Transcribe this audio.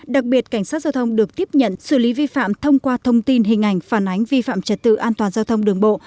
đặc biệt cảnh sát giao thông được tiếp nhận xử lý vi phạm thông qua thông tin hình ảnh phản ánh vi phạm trật tự an toàn giao thông đường bộ